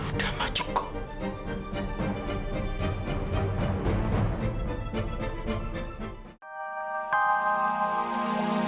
udah ma cukup